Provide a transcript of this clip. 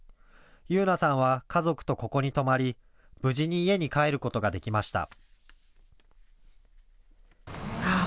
佑奈さんは家族とここに泊まり無事に家に帰ることができました。